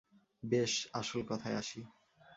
বেশ, আসল কোথায় আসি।